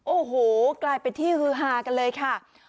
โอ้โหกลายเป็นที่ฮือฮากันเลยค่ะ